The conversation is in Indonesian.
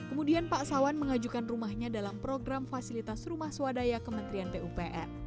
kemudian pak sawan mengajukan rumahnya dalam program fasilitas rumah swadaya kementerian pupr